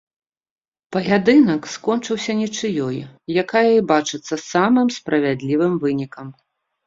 Паядынак скончыўся нічыёй, якая і бачыцца самым справядлівым вынікам.